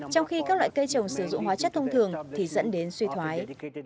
trong khi các loại cây trồng sử dụng hóa chất thông thường thì dẫn đến suy thoái